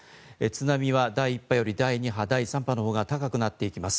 津波は第１波より第２波、第３波の方が高くなっていきます。